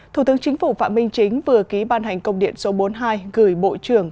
thủ tướng chính phủ phạm minh chính vừa ký ban hành công điện số bốn mươi hai gửi bộ trưởng